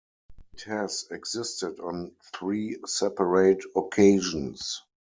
It has existed on three separate occasions.